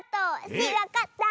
スイわかった！